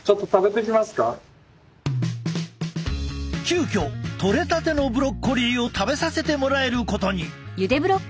急きょとれたてのブロッコリーを食べさせてもらえることに。